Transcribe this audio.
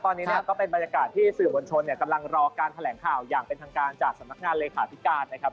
ตอนนี้เนี่ยก็เป็นบรรยากาศที่สื่อมวลชนเนี่ยกำลังรอการแถลงข่าวอย่างเป็นทางการจากสำนักงานเลขาธิการนะครับ